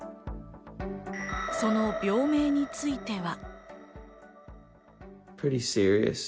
その病名については。